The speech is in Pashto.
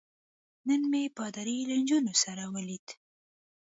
نن مې پادري له نجونو سره ولید.